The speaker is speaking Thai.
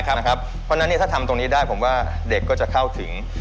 เพราะฉะนั้นถ้าทำตรงนี้ได้ผมว่าเด็กก็จะเข้าถึง